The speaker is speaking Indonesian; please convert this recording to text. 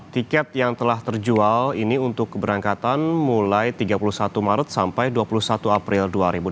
tiket yang telah terjual ini untuk keberangkatan mulai tiga puluh satu maret sampai dua puluh satu april dua ribu delapan belas